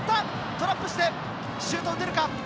トラップしてシュート打てるか。